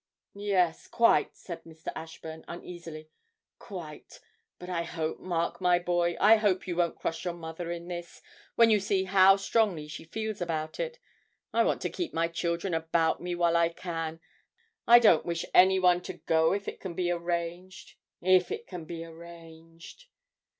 'Yes, quite,' said Mr. Ashburn, uneasily, 'quite; but I hope, Mark, my boy, I hope you won't cross your mother in this, when you see how strongly she feels about it. I want to keep my children about me while I can; I don't wish anyone to go if it can be arranged if it can be arranged.'